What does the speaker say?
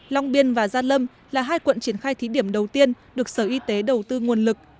long biên và gia lâm là hai quận triển khai thí điểm đầu tiên được sở y tế đầu tư nguồn lực